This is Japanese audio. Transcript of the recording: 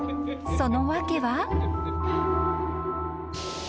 ［その訳は］